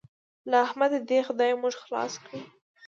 له احمده دې خدای موږ خلاص کړي.